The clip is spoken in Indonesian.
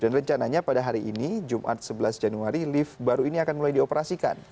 dan rencananya pada hari ini jumat sebelas januari lift baru ini akan mulai dioperasikan